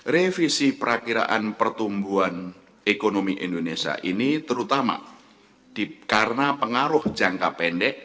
revisi perakiraan pertumbuhan ekonomi indonesia ini terutama karena pengaruh jangka pendek